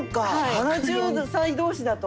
７０歳同士だと。